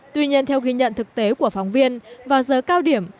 tuy nhiên theo ghi nhận thực tế của phóng viên vào giờ cao điểm